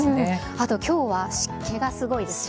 あときょうは湿気がすごいですね。